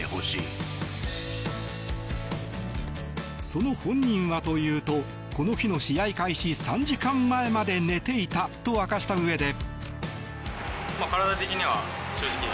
その本人はというとこの日の試合開始３時間前まで寝ていたと明かしたうえで。